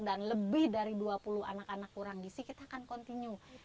dan lebih dari dua puluh anak anak kurang gisi kita akan continue